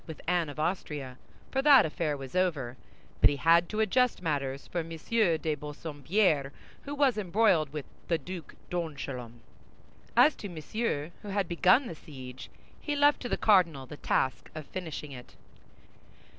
with Anne of Austria—for that affair was over—but he had to adjust matters for M. de Bassompierre, who was embroiled with the Duc d'Angoulême. As to Monsieur, who had begun the siege, he left to the cardinal the task of finishing it.